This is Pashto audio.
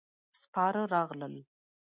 سپاره راغلل.